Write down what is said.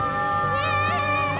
イエーイ！